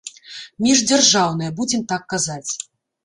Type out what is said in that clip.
Міждзяржаўныя, будзем так казаць.